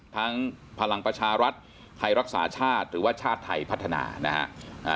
พลังประชารัฐไทยรักษาชาติหรือว่าชาติไทยพัฒนานะฮะ